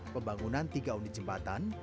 pembangunan tiga unit jembatan